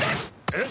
えっ？